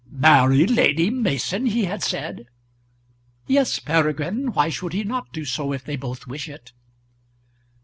"Marry Lady Mason!" he had said. "Yes, Peregrine. Why should he not do so if they both wish it?"